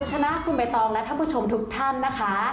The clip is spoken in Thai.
ชนะคุณใบตองและท่านผู้ชมทุกท่านนะคะ